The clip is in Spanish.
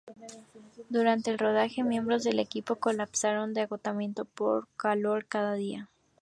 Durante el rodaje, miembros del equipo colapsaron de agotamiento por calor cada día.